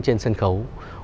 trên sân khấu